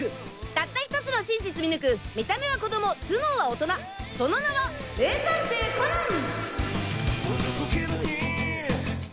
たった１つの真実見抜く見た目は子供頭脳は大人その名は名探偵コナン！